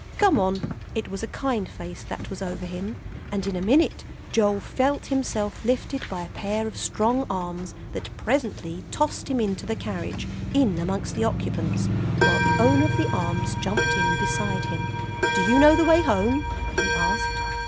"Come on." It was a kind face that was over him, and in a minute Joel felt himself lifted by a pair of strong arms that presently tossed him into the carriage, in amongst the occupants, while the owner of the arms jumped in beside him. "Do you know the way home?" he asked.